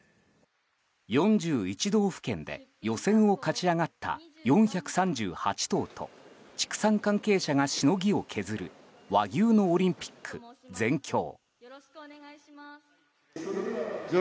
４１道府県で予選を勝ち上がった４３８頭と畜産関係者がしのぎを削る和牛のオリンピック、全共。